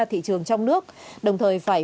thị trường trong nước đồng thời phải